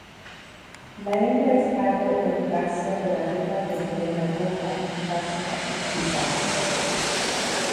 La hembra es pardo olivácea por arriba con corona rufa y face grisácea.